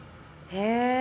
へえ！